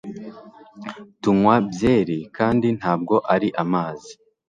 Tunywa byeri kandi ntabwo ari amazi